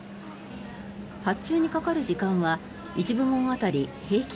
発注にかかる時間は１部門当たり平均